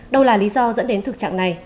đâu là lý do dẫn đến thực trạng này